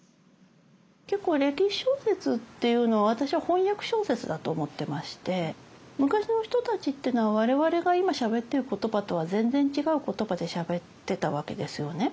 結構歴史小説っていうのは私は翻訳小説だと思ってまして昔の人たちっていうのは我々が今しゃべってる言葉とは全然違う言葉でしゃべってたわけですよね。